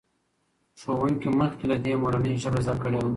ښوونکي مخکې له دې مورنۍ ژبه زده کړې وه.